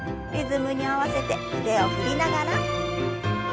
リズムに合わせて腕を振りながら。